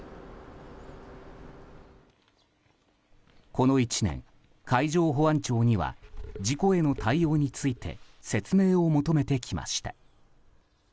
この１年、海上保安庁には事故への対応について説明を求めてきました。